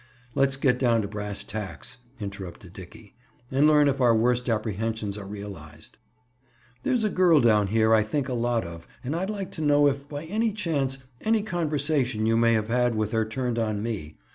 "Let's get down to brass tacks," interrupted Dickie, "and learn if our worst apprehensions are realized. There's a girl down here I think a lot of and I'd like to know if, by any chance, any conversation you may have had with her turned on me.